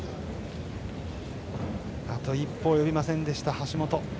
あと一歩及びませんでした、橋本。